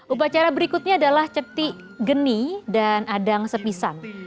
upacara berikutnya adalah ceti geni dan adang sepisan